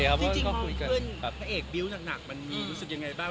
แต่ว่าผมเข้าใจเค้าจริงแล้ว